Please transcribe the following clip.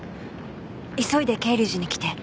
急いで恵竜寺に来て。